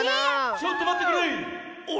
ちょっとまってくれ！